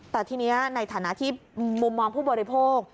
แต่ทีนี้ในฐานะที่มุมมองผู้บริโภค